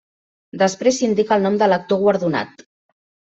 Després s'indica el nom de l'actor guardonat.